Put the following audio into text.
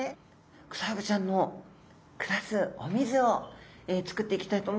クサフグちゃんの暮らすお水をつくっていきたいと思うんですが。